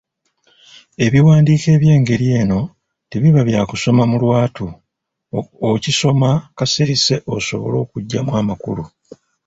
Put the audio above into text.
Ebiwandiiko eby’engeri eno tebiba bya kusoma mu lwatu, okisoma kasirise osobole okuggyamu amakulu.